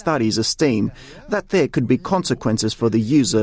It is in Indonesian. tapi anda melihat peraturan adalah peraturan